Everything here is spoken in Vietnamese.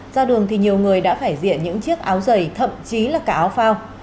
giao đường thì nhiều người đã phải diện những chiếc áo giày thậm chí là cả áo phao